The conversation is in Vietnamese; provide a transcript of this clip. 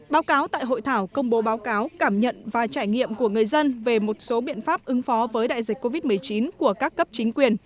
báo cáo tại hội thảo công bố báo cáo cảm nhận và trải nghiệm của người dân về một số biện pháp ứng phó với đại dịch covid một mươi chín của các cấp chính quyền